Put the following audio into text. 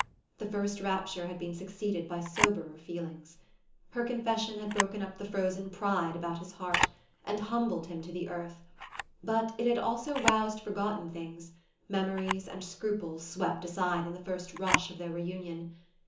The first rapture had been succeeded by soberer feelings. Her confession had broken up the frozen pride about his heart, and humbled him to the earth; but it had also roused forgotten things, memories and scruples swept aside in the first rush of their reunion.